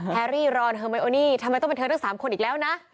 แพรรี่รอนเฮอร์ไมโอนี่ทำไมต้องเป็นเธอทั้ง๓คนอีกแล้วนะ